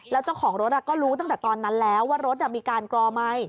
แล้วเจ้าของรถก็รู้ตั้งแต่ตอนนั้นแล้วว่ารถมีการกรอไหม